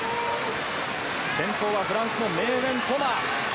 先頭はフランスのメーウェン・トマ。